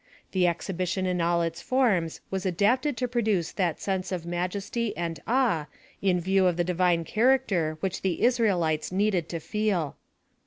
The exhibition in all its forms was adapted to produce that sense of majesty and awe in view of the divine character which the Israelites needed to feel.